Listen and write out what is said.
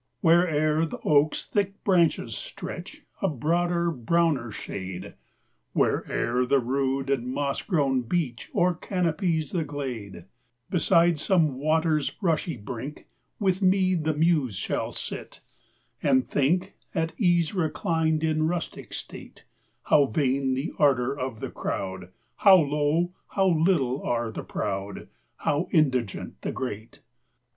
Where'er the oak's thick branches stretch A broader, browner shade, Where'er the rude and moss grown beech O'er canopies the glade, Beside some water's rushy brink With me the Muse shall sit, and think (At ease reclined in rustic state) How vain the ardour of the Crowd, How low, how little, are the Proud, How indigent the Great!